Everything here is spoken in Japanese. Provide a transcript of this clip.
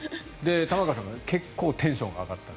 玉川さんが結構テンションが上がった。